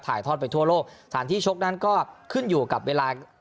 ถ่ายทอดไปทั่วโลกฐานที่โช๊คนั่นก็ขึ้นอยู่กับเวลา